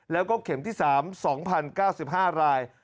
แล้วก็เข็มที่๓๒๐๙๕ราย